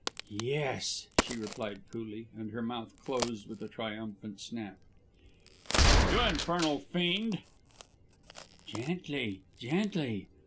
"Yes," she replied coolly, and her mouth closed with a triumphant snap. "You infernal fiend " "Gently! Gently!